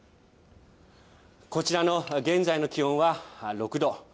こちらの現在の気温は６度。